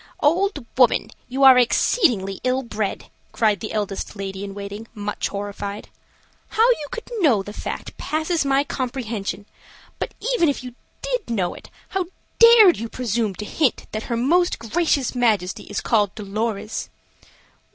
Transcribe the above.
"Old woman, you are exceedingly ill bred," cried the eldest lady in waiting, much horrified. "How you could know the fact passes my comprehension. But even if you did know it, how dared you presume to hint that her most gracious Majesty is called Dolorez?"